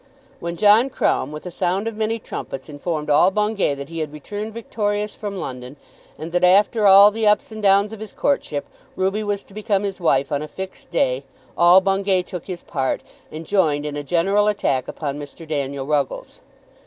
When John Crumb, with a sound of many trumpets, informed all Bungay that he had returned victorious from London, and that after all the ups and downs of his courtship Ruby was to become his wife on a fixed day, all Bungay took his part, and joined in a general attack upon Mr. Daniel Ruggles.